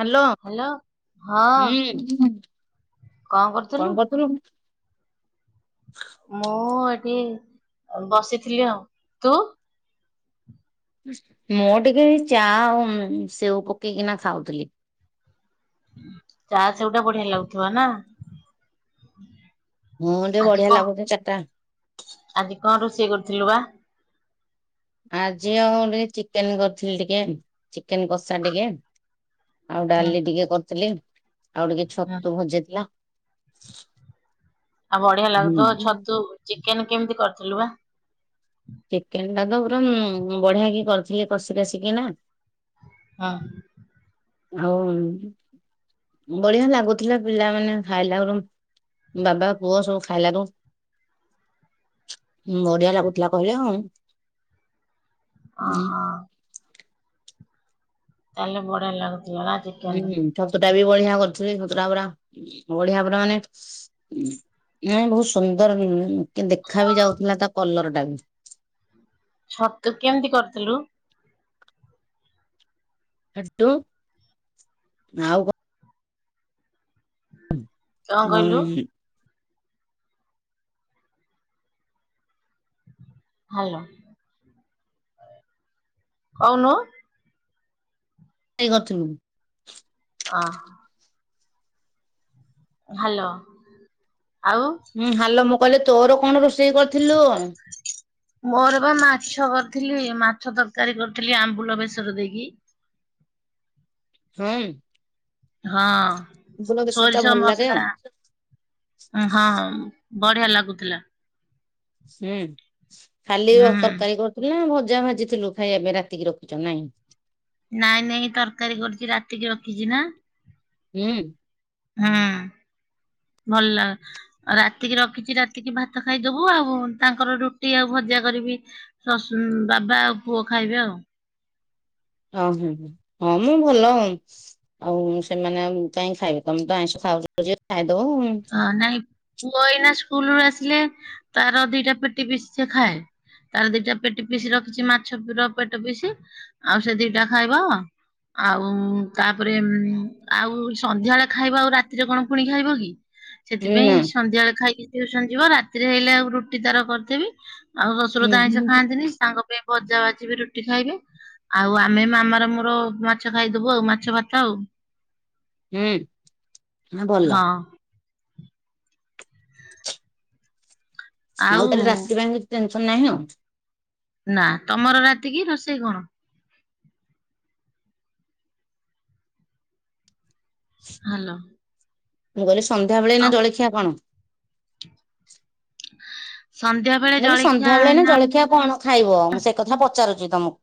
Hello hello ହଁ ହୁଁ କଣ କରୁଥିଲୁ। ମୁଁ ଏଠି ବସିଥିଲି ଆଉ ତୁ? ମୁଁ ଟିକେଏଇ ଚା ଆଉ ସେଉ ପକେଇକିନା ଖାଉଥିଲି। ଚା ସେଓଉଟା ବଢିଆ ଲାଗୁଥିବ ନା। ମୋତେ ଆଜି ବଢିଆ କଣ ଲାଗୁଛି ଚାରିଟା। ଆଜି କଣ ରୋଷେଇ କରୁଥିଲୁ ବା? ଆଜି ଆଉ ଟିକେ ଚିକେନ କରିଥିଲି ଟିକେ ଚିକେନ କଷା ଟିକେ। ଆଉ ହୁଁ ଡାଲି ଟିକେ କରିଥିଲି ଆଉ ଟିକେ ହୁଁ ଛତୁ ଭଜଜା ଥିଲା। [unintelligible] ଆଉ ବଢିଆ ଲାଗୁଥିବ ଛତୁ ଚିକେନ କେମିତି କରିଥିଲୁ ବା? ଚିକେନ ଟା ତ ପୁରା ବଢିଆ କି କରିଥିଲି କଷି କଷିକି ନା। ହଁ। ଆଉ ବଢିଆ ଲାଗୁଥିଲା ପିଲାମାନେଖାଇଲା ବେଳକୁ ବାବା ପୁଅ ସବୁ ଖାଇଲାରୁୁ ହଁ ବଢିଆ ଲାଗୁଥିଲା କହିଲେ ହମୁ ଓ ହଁ। ତାହେଲେ ବଢିଆ ଲାଗୁଥିଲା ନା ଚିକେନ ହୁଁ ଛତୁ ଟା ବି ବଢିଆ କରୁଥିଲି ଛତୁଟା ପୁରା ବଢିଆ ପରା ମାନେ ମୁ ବହୁତ ସୁନ୍ଦର ନ କି ଦେଖା ବି ଯାଉଥିଲା ତା କଲର ଟା ବି ଛତୁ କେମିତି କରିଥିଲୁ? ଖୁ କ କଣ ହ କହିଲୁ ହାଲୋ କହୁନୁ। କାଇ କରିଥିଲୁ। ଅଁ। ହାଲୋ ଆଉ। ହୁଁ ହାଲୋ ମୁଁ କହିଲି ତୋର କଣ ରୋଷେଇ କରିଥିଲୁ? ମୋର ବା ମାଛ କରିଥିଲି ମାଛ ତରକାରୀ କରିଥିଲି ଆମ୍ବୁଲ ବେସର ଦେଇକି। ହୁଁ। ହଁ ବେସର ଟା ସୋରିଷ ଭଲ ଲାଗେ ଆଉ ମସଲା। ଉଁ ହଁ ବଢିଆ ଲାଗୁଥିଲା। ହୁଁ ଖାଲି ହୁଁ ତରକାରୀ କରୁଥିଲ ନା ଭଜା ଭାଜିଥିଲୁ ଖାଇବା ପାଇଁ ରାତିକି ରଖିଛୁ ନାଇଁ। ନାଇଁ ନାଇଁ ତରକାରୀ କରୁଛି ରାତିକି ରଖିଛି ନା। ହୁଁ। ହଁ ଭଲ। ଆଉ ରାତିକି ରଖିଛି ରାତିକି ଭାତ ଖାଇଦବୁ ଆଉ ତାଙ୍କର ରୁଟି ଆଉ ଭଜା କରିବି। ଶଶୁ ବାବା ଆଉ ପୁଅ ଖାଇବେ ଆଉ। ଓ ହୁଁ ହୁଁ ହଁ ମ ଭଲ। ଆଉ ସେମାନେ ଆଉ କାହିଁକି ଖାଇବେ ତମେ ତ ଆଇଁଷ ଖାଉଚ ଯିଏ ଖାଇଦବ। ହଁ ନାଇଁ ପୁଅ ଏଇନା ସ୍କୁଲ ରୁ ଆସିଲେ ତାର ଦିଟା ପେଟି ପିସ ସେ ଖାଏ। ତାର ଦିଟା ପେଟି ପିସି ରଖିଛି ମାଛ ର ପେଟ ପିଶି ଆଉ ସେ ଦିଟା ଖାଇବ। ଆଉ ତାପରେ ଉଁ ଆଉ ସନ୍ଧ୍ୟାବେଳେ ଖାଇବ ଆଉ ରାତିରେ କଣ ପୁଣି ଖାଇବ କି। ସେଥିପାଇଁ ନା। ସନ୍ଧ୍ୟାବେଳେ ଖାଇକି ଟିଉସନ ଯିବ ରାତିରେ ଆଇଲେ ଆଉ ରୁଟି ତାର କରିଥିବି। ଆଉ ଶଶୁର ହୁଁ ତ ଆଇଁଷ ହୁଁ। ଖାଆନ୍ତିନି ତାଙ୍କ ପାଇଁ ଭଜା ଭାଜିିବି ରୁଟି ଖାଇବେ। ଆଉ ଆମେ ମାମା ର ମୋର ମାଛ ଖାଇଦବୁ ଆଉ ମାଛ ଭାତ ଆଉ। ହୁଁ ଭଲ। ହଁ ଆଉ ତାହେଲେ ରାତି ପାଇଁ କିଛି ଟେନସନ ନାହିଁ ଆଉ। ନା ତମର ରାତି କି ରୋଷେଇ କଣ? ହାଲୋ। ମୁଁ କହିଲି ସନ୍ଧ୍ୟାବେଳେ ଏଇନା ଜଳଖିଆ କଣ? ସନ୍ଧ୍ୟା। ବେଳେ ମୁଁ କହିଲି ଜଳଖିଆ ସନ୍ଧ୍ୟା ବେଳେ ଏଇନା ଜଳଖିଆ କଣ ଖାଇବ? ମୁଁ ସେ କଥା ପଚାରୁଛି ତମ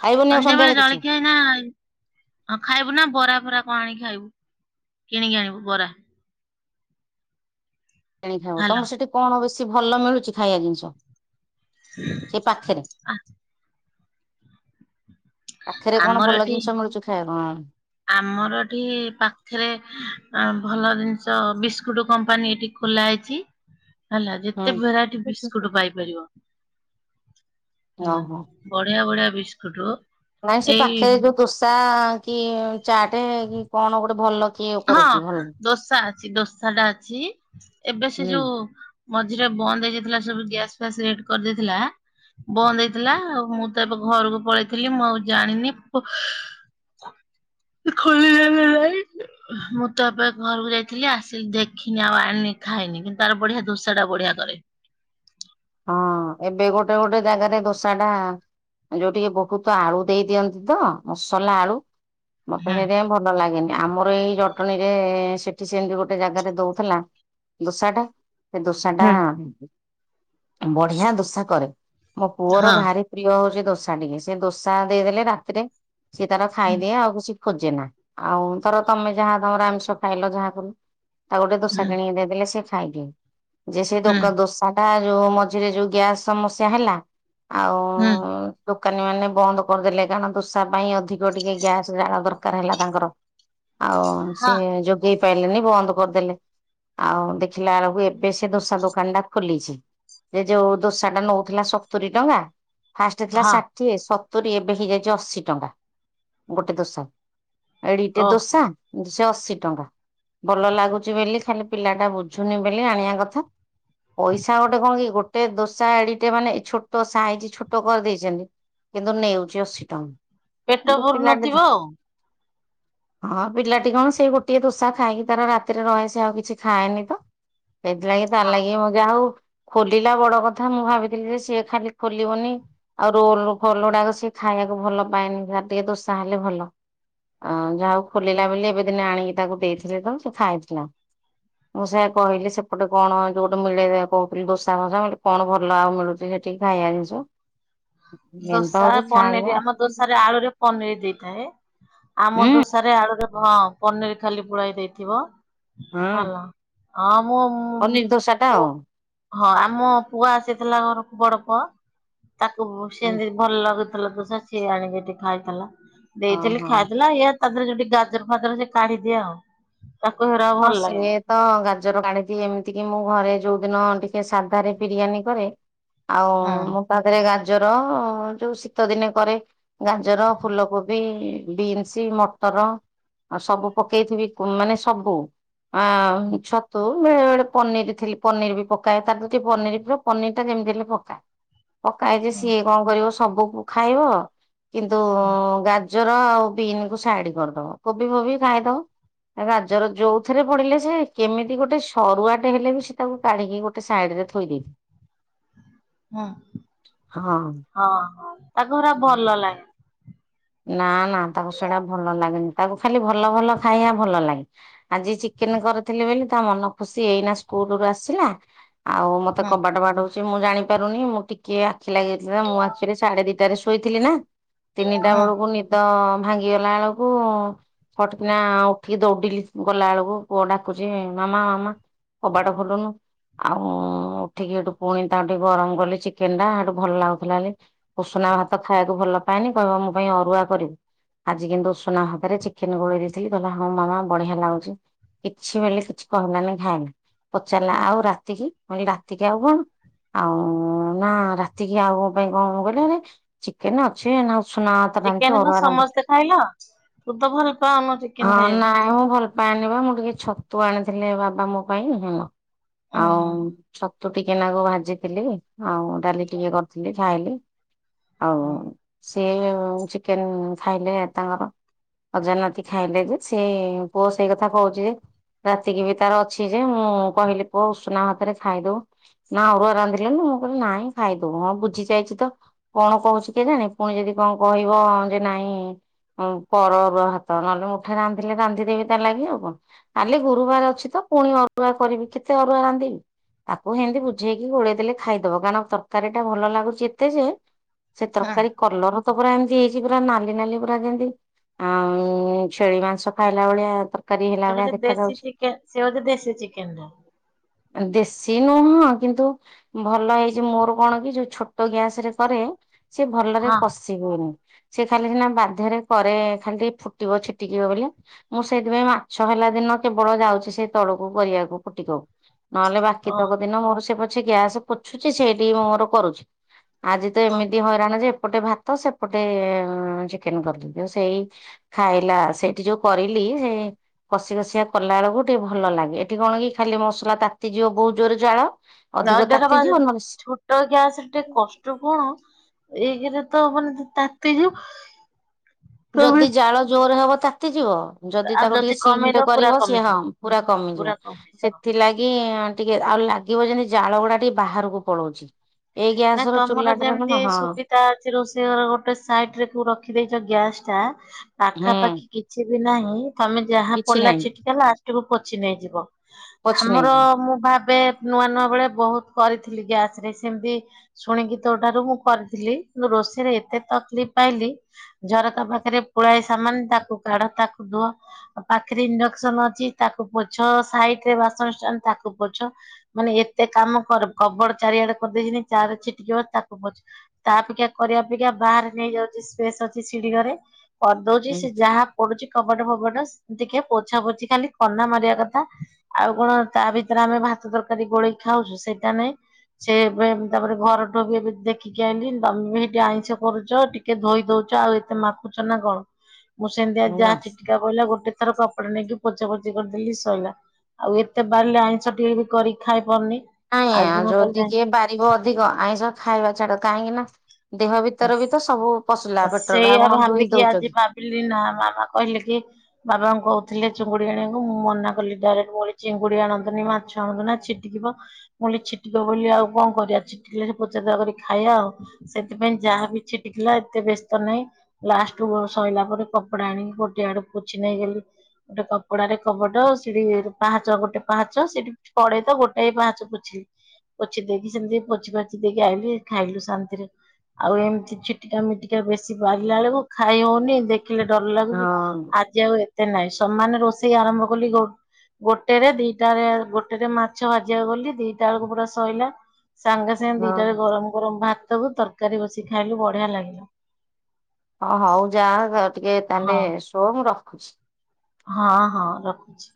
ଖାଇବନି ଆଉ ସନ୍ଧ୍ୟା ବେଳେ ସନ୍ଧ୍ୟାବେଳେ କିଛି ଜଳଖିଆ ଏଇନା। ହଁ ଖାଇବୁ ନା ବରା ଫରା କଣ ଆଣିକି ଖାଇବୁ କିଣିକି ଆଣିବୁ ବରା। କିଣିକି ଖାଇବ ହାଲୋ ତମର ସେଠି କଣ ବେଶୀ ଭଲ ମିଳୁଛି ଖାଇବା ଜିନିଷ? ସେ ପାଖେରେ। ପାଖରେ କଣ ଆମର ଭଲ ଏଠି ଜିନିଷ ମିଳୁଛି ଖାଇବା କଣ? ଆମର ଏଠି ପାଖେରେ ଆଁ ଭଲ ଜିନିଷ ବିସ୍କୁଟ କମ୍ପାନୀ ଏଠି। ଖୋଲା ହେଇଛି। ହେଲା ଯେତେ ହୁଁ। ଭେରାଇଟି ବିସ୍କୁଟୁ ପାଇପାରିବ। ହେଲା ଓହୋ। ବଢିଆ ବଢିଆ ବିସ୍କୁଟୁ। ନାଇଁ ସେ ପାଖରେ ଯୋଉ ଦୋସା କି ଚାଟେ କି କଣ ଗୋଟେ ଭଲ। କିଏ ହଁ କରୁଛି ଭଲ। ଦୋସା ଅଛି ଦୋସା ଟା ଅଛି ଏବେ ସେ ହୁଁ ଯୋଉ। ମଝିରେ ବନ୍ଦ ହେଇଯାଇଥିଲା ସବୁ ଗ୍ୟାସ ଫ୍ୟାସ୍ ରେଟ କରିଦେଇଥିଲା। ବନ୍ଦ ହେଇଥିଲା ଆଉ ମୁଁ ତ ଏବେ ଘରକୁ ପଳେଇଥିଲି ମୁଁ ଆଉ ଜାଣିନି ପୁ। ସେ ଖୋଲିଲା ନା ନାଇ। ମୁଁ ତ ଏବେ ଘରକୁ ଯାଇଥିଲି ଆସିଲି ଦେଖିନି ଆଉ ଆଣିନି ଖାଇନି କିନ୍ତୁ ତାର ବଢିଆ ଦୋଷା ଟା ବଢିଆ କରେ। ହଁ ଏବେ ଗୋଟେ ଗୋଟେ ଜାଗାରେ ଦୋସା ଟା। ଯୋଉ ଟିକେ ବହୁତ ଆଳୁ ଦେଇଦିଅନ୍ତି ତ ମସଲା ଆଳୁ ମତେ ହୁଁ ସେଇଥିପାଇଁ ଭଲ ଲାଗେନି। ଏ ଆମର ଏଇ ଜଟଣୀରେ ସେଠି ସେମୀତି ଗୋଟେ ଜାଗାରେ ଦଉଥିଲା ଦୋସା ଟା। ସେ ଦୋସାଟା ବଢିଆ ଦୋସା କରେ ମୋ ପୁଅର ହଁ ଭାରି। ପ୍ରିୟ ହଉଛି ଦୋସା ଟିକେ ସେ ଦୋସା ଦେଇଦେଲେ ରାତିରେ ସିଏ ତାର ହୁଁ ଖାଇଦିଏ। ଆଉ କିଛି ଖୋଜେ ନା ଆଉ ଧର ତମେ ଯାହା ତମର ଆମିଷ ଖାଇଲ ଯାହା କଲ। ତା ଗୋଟେ ଦୋସା ହୁଁ କିଣିକି ଦେଇଦେଲେ ସେ ଖାଇଦିଏ। ଯେ ସେ ଦୋ ହୁଁ ଦୋସାଟା ଯୋଉ ମଝିରେ ଯୋଉ ଗ୍ୟାସ୍ ସମସ୍ୟା ହେଲା ଆଉ ହୁଁ ଦୋକାନୀ ମାନେ ବନ୍ଦ କରିଦେଲେ କାରଣ ଦୋଷା ପାଇଁ ଅଧିକ ଟିକେ ଗ୍ୟାସ ଜାଳ ଦରକାର ହେଲା ତାଙ୍କର। ଆଉ ସେ ହଁ ଯୋଉ ଦେଇ ପାରିଲେନି ବନ୍ଦ କରିଦେଲେ ଆଉ ଦେଖିଲା ବେଳକୁ ଏବେ ସେ ଦୋସା ଦୋକାନ ଟା ଖୋଲିଛି। ସେ ଯୋଉ ଦୋସାଟା ନଉଥିଲା ସତୁରି ଟଙ୍କା ଫାଷ୍ଟ ଥିଲା ହଁ ଷା ଠିଏ ସତୁରି ଏବେ ହେଇଯାଇଛି ଅଶୀ ଟଙ୍କା ଗୋଟେ ଦୋଷାକୁ। ଏଡିଟେ ଓହୋ ଦୋସା କିନ୍ତୁ ସେ ଅଶୀ ଟଙ୍କା। ଭଲ ଲାଗୁଛି ବୋଲି ଖାଲି ପିଲାଟା ବୁଝୁନି ବୋଲି ଆଣିବା କଥା ପଇସା ଗ କଣ କି ଗୋଟେ ଦୋସା ଆଡିଟେ ମାନେ ଛୋଟ ସାଇଜ ଛୋଟ କରିଦେଇଛନ୍ତି। କିନ୍ତୁ ନେଉଛି ଅଶୀ ଟଙ୍କା ପେଟ କିନ୍ତୁ ପୁରୁ ନଥିବ ପିଲାଟେ ଆଉ। ହଁ ପିଲାଟି କଣ ସେଇ ଗୋଟିଏ ଦୋଷା ଖାଇକି ତାର ରାତିରେ ରହେ ସେ ଆଉ କିଛି ଖାଏନି ତ। ସେଇଥିଲାଗି ହଁ ତାର ଲାଗି ଯାହା ହଉ। ଖୋଲିଲା ବଡ କଥା ମୁଁ ଭାବିଥିଲି ଯେ ସିଏ ଖାଲି ଖୋଲିବନି। ଆଉ ରୋଲ ଫଲ ଗୁଡାକ ସିଏ ଖାଇବାକୁ ଭଲ ପାଏନି ଯା ଟିକେ ଦୋଷା ହେଲେ ଭଲ। ଅ ଯାହା ହୋଉ ଖୋଲିଲା ବୋଲି ଏବେ ଦିନ ଆଣିକି ତାକୁ ଦେଇଥିଲେ ତ ସେ ଖାଇଥିଲା। ମୁଁ ସେ କହିଲି ସେପଟେ କଣ ଯୋଉଠୁ ମିଳେ କହୁ ଫୁଣି ଦୋସା ଫସା ମି କଣ ଭଲ ଆଉ ମିଳୁଛି ସେଠିକି ଖାଇବା ଜିନିଷ? ବେନ୍ଦ ଦୋସା ଗୋଟେ ଖାଇବା ପନିର ଆମ ହୁଁ ଦୋସରେ ଆଳୁରେ ପନିର ଦେଇଥାଏ ଆମ ଦୋସ ସ ଆଳୁ ହଁ ପନିର ଖାଲି ପୁଳାଏ ଦେଇଥିବ ହାଲୋ ହଁ ମୁଁ ପନିର୍ ଦୋସାଟା ପୁଅ ଆଉ। ହଁ ଆମ ପୁଅ ଆସିଥିଲା ଘରକୁ ବଡ ପୁଅ ତାକୁ ଉଁ, ସେମତି ଭଲ ଲାଗୁଥିଲା ଦୁଷା ସିଏ ଆଣିକିରି ଖାଇଥିଲା ଦେଇଥିଲି ଓହୋ ଖାଇଥିଲା। ଇ ତାଥିରେ ଯଉଠି ଗାଜର ଫାଜର ସେ କାଢିଦିଏ ଆଉ। ତାକୁ ହେରା ହଁ ଭଲ ଲାଗେ। ସିଏ ତ ଗାଜର କାଢିଦିଏ। ଏମିତି କି ମୁଁ ଘରେ ଯୋଉଦିନ ଟି ଟିକେ ସାଧରେ ବିରିୟାନୀ କରେ। ଆଉ ହୁଁ ମୁଁ ତା ଦେରେ ଗାଜର ଯୋଉ ଶୀତ ଦିନେ କରେ। ଗାଜର ଫୁଲକୋବି ବିନ୍ସ ମଟର। ଆଉ ସବୁ ପକେଇଥିବି ମାନେ ସବୁ ଅ ଛତୁ ବେଳେ ବେଳେ ପନିର ଥି ପନିର ବି ପକାଏ ତା ଟିକେ ପନିର ପ୍ରି ପନିର ଟା ଯେମିତି ହେଲେ ପକାଏ। ପକାଏ ଯେ ହୁଁ ସିଏ କଣ କରିବ ସବୁ ଖାଇବ। କିନ୍ତୁ ଉଁ ଗା ଗାଜର ଆଉ ବିନ୍ କୁ ସାଇଡ କରିଦବ କୋବି ଫୋବି ଖାଇଦବ ଗାଜର ଯୋଉ ପଥରେ ପଡିଲେ ସେ କେମିତି ଗୋଟେ ସରୁଆଟେ ହେଲେ ବି ସେ ତାକୁ କାଢିକି ଗୋଟେ ସାଇଡ ରେ ଥୋଇଦିଏ। ହୁଁ ହଁ। ହଁ ତାକୁ ହେରା ଭଲ ଲାଗେ। ନା ନା ତାକୁ ସେଇଟା ଭଲ ଲାଗେନି ତାକୁ ଖାଲି ଭଲ ଭଲ ଖାଇବା ଭଲ ଲାଗେ। ଆଜି ଚିକେନ କରିଥିଲି ବୋଲି ତା ମନ ଖୁସି ଏଇନା ସ୍କୁଲରୁ ଆସିଲା। ଆଉ ମତେ ହୁଁ କବାଟ ବାଟୁ ଚି ମୁଁ ଜାଣି ପାରୁନି ମୁଁ ଟିକେ ଆଖି ଲାଗିଥିଲା ନା ମୁଁ ଆଖିରେ ସାଢେ ଦିଟଟା ରେ ଶୋଇଥିଲ ନା। ସେଟା ହୁଁ ବେଳକୁ ନିଦ ଭାଙ୍ଗି ଗଲା ବେଳକୁ ଫଟିକିନା ଉଠିକି ଦୌଡିଲି ଗଲା ବେଳକୁ ପୁଅ ଡାକୁଛି ମାମା ମାମା। କବାଟ ଖୋଲୁନୁ। ଆଉ ଉଁ ଉଠିକି ସେଠୁ ପୁଣି ତା ଟିକେ ଗରମ କଲି ଚିକେନ ଟା ସେଠୁ ଭଲ ଲାଗୁଥିଲା ହେ ଉଷୁନା ଭାତ ଖାଇବାକୁ ଭଲ ପାଏନି କହିବ ମୋ ପାଇଁ ଅରୁଆ କରିବୁ। ଆଜି କିନ୍ତୁ ଉଷୁନା ଭାତରେ ଚିକେନ ଗୋଳେଇ ଦେଇଥିଲି କହିଲ ହଁ ମାମା ବଢ଼ିଆ ଲାଗୁଛି। କିଛି ବୋଲି କିଛି କହିଲା ନାଇଁ ଖାଇଲା ପଚାରିଲା ଆଉ ରାତି କିି ମୁଁ କହିଲି ରାତିକି ଆଉ କଣ? ଆଉ ନା ରାତିକି ଆଉ ମୋ ପାଇଁ କଣ ହବ ମୁଁ କହିଲି ଆରେ ଚିକେନ୍‌ ଅଛି ନା ଉଷୁନା ଭାତ ରାନ୍ଧୁଛୁ ଚିକେନ୍‌ କଣ ଅରୁଆ ରାନ୍ଧୁ ସମସ୍ତେ ଖାଇଲ ତୁ ତ ଭଲ ପାଉନା ଚିକେନ୍‌ ହଁ ଖାଇବାକୁ? ନାଇଁ ମୁଁ ଭଲ ପାଏନି ପା ମୁଁ ଟିକେ ଛତୁ ଆଣିଥିଲେ ବାବା ମୋ ପାଇଁ ହେଲା ଉଁ ଆଉ ହୁଁ ଛତୁ ଟିକେ ନାଗୁ ଭାଜିଥିଲି ଆଉ ଡାଲି ଟିକେ କରିଥିଲି ଖାଇଲି। ଆଉ ହୁଁ। ସିଏ ଚିକେନ୍‌ ଖାଇଲେ ତାଙ୍କର। ଅଜା ନାତି ଖାଇଲେ ଯେ ସେ ପୁଅ ସେଇ କଥା କହୁଛି ଯେ ରାତିକି ବି ତାର ଅଛି ଯେ ମୁଁ କହିଲି ପୁଅ ଉଷୁନା ଭାତରେ ଖାଇଦବୁ। ନା ଅରୁଆ ରାନ୍ଧିଲୁନୁ ମୁଁ କହିଲି ନାଇଁ ଖାଇଦବୁ ହଁ ବୁଝି ଯାଇଛି ତ କଣ କହୁଛି କେଜାଣି ପୁଣି ଯଦି କଣ କହିବ ଯେ ନାଇଁ ହୋଉ କର ଅରୁଆ ଭାତ ନହେଲେ ମୁଠାଏ ରାନ୍ଧିଲେ ରାନ୍ଧିଦେବି ତା ଲାଗି ଆଉ କଣ। କାଲି ଗୁରୁବାର ଅଛି ତ ପୁଣି ଅରୁଆ କରିବି କେତେ ଅରୁଆ ରାନ୍ଧିବି। ତାକୁ ସେମିତି ବୁଝେଇକି ଗୋଳେଇ ଦେଲେ ଖାଇଦବ କାରଣ ତରକାରୀ ଟା ଭଲ ଲାଗୁଛି ଏତେ ଯେ। ସେ ହଁ। ତରକାରୀ କଲର ତ ପୁରା ଏମିତି ହେଇଛି ପୁରା ନାଲି ନାଲି ପୁରା ଯେମିତି ଆଉ ଛେଳି ମାଂସ ଖାଇଲା ଭଳିଆ। ତରକାରୀ ହେଲା ସେ ଭଳିଆ ବୋଧେ ଦେଖା ଦେଶୀ ଯାଉଛି। ଚିକେନ୍‌ ସେ ହଉଛି ଦେଶୀ ଚିକେନ୍‌ ଟା। ଦେଶୀ ନୁହଁ କିନ୍ତୁ ଭଲ ହେଇଛି ମୋର କଣ କି ଯୋଉ ଛୋଟ ଗ୍ୟାସ ରେ କରେ ସେ ଭଲରେ କଷି ହୁଏନି। ସେ ଖାଲି ସିନା ବାଧ୍ୟରେ କରେ ଖାଲି ଟିକେ ଫୁଟିବ ଛିଟିକିବ ବୋଲି। ମୁଁ ସେଇଥିପାଇଁ ମାଛ ହେଲା ଦିନ କେବଳ ଯାଉଛି ସେଇ ତଳକୁ କରିବାକୁ ପୁଟିକକୁ। ନହେଲେ ବାକି ହଁ ତକ ଦିନ ମୋର ସେ ପଛେ ଗ୍ୟାସ ପୋଛୁଛି ସେଇଠିକି ମୁଁ ମୋର କରୁଛି। ଆଜି ତ ଓ ଏମିତି ହଇରାଣ ଯେ ଏପଟେ ଭାତ ସେପଟେ ଚିକେନ୍‌ କଲି। ହଁ ସେଇ ଖାଇଲା ସେଇଠି ଯୋଉ କରିଲି ସେ କଷି କଷିଆ କଲାବେଳକୁ ଟିକେ ଭଲ ଲାଗେ ଏଠି କଣ କି ଖାଲି ମସଲା ତାତିଯିବ ବହୁତ ଜୋରେ ଜାଳ। [unintelligible] ଅଧିକ ତାତିଯିବ ନହେଲେ ଗ୍ୟାସରେ ଟିକେ କଷ୍ଟ କଣ ଏକରେ ତ ମାନେ ତାତି ଯିବ। ଯଦି ଜାଳ ଜୋରେ ହବ ତାତି ଯିବ। ଯଦି ଆଉ ତାକୁ ଟିକେ ସିମ୍ ରେ କମେଇଦବ ପୁରା କରିବ ସିଏ ହଁ କମିଯିବ ପୁରା କମିଯିବ। ପୁରା ସେ କମିଯିବ। ସେଥିଲାଗି ଟିକେ ଆଉ ଲାଗିବ ଯେମିତି ଜାଳ ଗୁଡ଼ା ଟିକେ ବାହାରକୁ ପଳଉଛି। ଏଇ ଗ୍ୟାସ ନାଇଁ ର ତମର ଚୁଲାଟାରେ ଯେମିତି ହଁ। ସୁବିଧା ଅଛି ରୋଷେଇ ଘର ଗୋଟେ ସାଇଡ ରେ କୁ ରଖିଦେଇଛ ଗ୍ୟାସ ଟା ହୁଁ ପାଖାପାଖି କି କିଛି ବି ନାହିଁ। ତମେ ଯାହା କିଛି ପଡ଼ିଲା ନାହିଁ ଛିଟିିକିଲା ଲାଷ୍ଟକୁ ପୋଛି ନେଇଯିବ। ପୋଛି ଆମର ନେଇଯିବ। ମୁଁ ଭାବେ ନୂଆ ନୂଆ ବେଳେ ବହୁତ କରିଥିଲି ଗ୍ୟାସ୍ ରେ ସେମିତି ଶୁଣିକି ତୋ ଠାରୁ ମୁଁ କରିଥିଲି କିନ୍ତୁ ରୋଷେଇରେ ଏତେ ତକଲିଫ୍ ପାଇଲି। ଝରକା ପାଖରେ ପୁଳାଏ ସାମାନ ତାକୁ କାଢ଼ ତାକୁ ଧୁଅ। ପାଖରେ ଇଣ୍ଡକ୍ସନ ଅଛି ତାକୁ ପୋଛ ସାଇଟରେ ବାସନ ଷ୍ଟାଣ୍ଡ ତାକୁ ପୋଛ। ମାନେ ଏତେ କାମ କର କବୋର୍ଡ଼ ଚାରିଆଡ଼େ କରିଦେଇଛନ୍ତି। ତା ଆଡ଼େ ଛିଟିକିବ ତାକୁ ପୋଛ। ତା ଅପେକ୍ଷା କରିବା ଅପେକ୍ଷା ବାହାରେ ନେଇଯାଉଛି ସ୍ପେସ୍ ଅଛି ସିଡିି଼ ଘରେ କରିଦଉଛି। ହୁଁ ସେ ଯାହା ପଡ଼ୁଛି କବାଟ ଫବାଟ ଟିକେ ପୋଛା ପୋଛି ଖାଲି କନା ମାରିବା କଥା। ଆଉ କଣ ତା ଭିତରେ ଆମେ ଭାତ ତରକାରୀ ଗୋଳେଇ ଖାଉଛୁ ସେଇଟା ନାଇଁ ସେ ଏବେ ତାପରେ ଘରଠୁ ବି ଏବେ ଦେଖିକି ଆଣିଲି ତମେ ବି ସେଇଠି ଆଇଁଷ କରୁଛ ଟିକେ ଧୋଇ ଦଉଛ। ଆଉ ଏତେ ମାପ ମାପୁଛ ନା କଣ? [inaudible] ମୁଁ ସେମିତି ଆଜି ଯାହା ନା ଛିଟିକା ପଡ଼ିଲା ଗୋଟେ ଥର କପଡ଼ା ନେଇକି ପୋଛା ପୋଛି କରିଦେଲି ସରିଲା। ଆଉ ଏତେ ବାରିଲେ ଆଇଁଷ ଟିକେ ବି କରିକି ଖାଇ ପାରୁନି। ନାଇଁ ଆଜି ଆଉ ମୁଁ ଯଦି କିଏ କହିଲି ବାରିବ ଅଧିକ ଆଇଁଷ ଖାଇବା ଛାଡ଼ କାହିଁକି ନା ଦେହ ଭିତରେ ବି ତ ସବୁ ପଶିଲା ପେଟରେ ଆଉ ସେଇଆ କଣ ଧୋଇ ଭାବିକି ଦଉଛ ଆଜି କି? ଭାବିଲି ନା ମାମା କହିଲେ କି ବାବାଙ୍କୁ କହୁଥିଲି ଚିଙ୍ଗୁଡି ଆଣିବାକୁ ମୁଁ ମନା କଲି ଡାଇରେକ୍ଟ ଭଳି ଚିଙ୍ଗୁଡି ଆଣନ୍ତୁନି ମାଛ ଆଣନ୍ତୁ ନା ଚି କି ଯିବ। ମୁ କହିଲି ଛିଟିକିବ ବୋଲି ଆଉ କଣ କରିବା ଛିଟିକିଲ ପଚା କରିକି ଖାଇବା ଆଉ। ସେଥିପାଇଁ ଯାହା ବି ଛିଟିକିଲା ଏତେ ବ୍ୟସ୍ତ ନାହିଁ। ଲାଷ୍ଟୁ ସଇଲା ପରେ କପଡା ଆଣିକି ଗୋଟେ ଆଡେ ପୋଛି ନେଇଗଲି। ଗୋଟେ କପଡାରେ କବଟ ସିଟି ପାହାଚ ଗୋଟେ ପାହାଚ ସେଠି କଡେ ତ ଗୋଟାଏ ପାହଚ ପୋଛିିଲି। ପୋଛି ଦେଇକି ସେମିତି ପୋଛି ପାଛି ଦେଇକି ଆଇଲିି। ଖାଇଲୁ ଶାନ୍ତିରେ ଆଉ ଏମିତି ଛିଟି ଏମିତି ଟିକେ ବେଶୀ ବାଢ଼ିଲା ବେଳକୁ ଖାଇ ହଉନି ଦେଖିଲେ ଡର ଲାଗୁଚି। ହଁ ଆ ଜି ଆଉ ଏତେ ନାଇଁ ସମାନ ରୋଷେଇ ଆରମ୍ଭ କଲି ଗୋ ଗୋଟେରେ ଦିଟା ଗୋଟେରେ ମାଛ ଭାଜିବାକୁ ଗଲି। ଦିଟା ବେଳକୁ ପୁରା ଶଇଲା। ସାଙ୍ଗେ ସାଙ୍ଗେ ଦିଟାରେ ହଁ। ଗରମ ଗରମ ଭାତକୁ ତରକାରୀ ବସି ଖାଇଲୁ ବଢିଆ ଲାଗିଲା। ହଁ ହଉ ଯାଅ ଟିକେ ହଁ ତାହେଲେ ଶୁଅ ମୁଁ ରଖୁଚି। ହଁ ହଁ ରଖୁଚି।